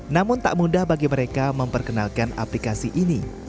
namun tak mudah bagi mereka memperkenalkan aplikasi ini